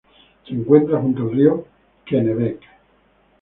Se encuentra junto al río Kennebec.